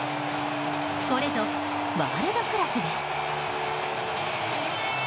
これぞワールドクラスです。